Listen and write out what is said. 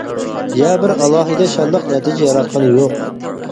يا بىر ئالاھىدە شانلىق نەتىجە ياراتقىنى يوق.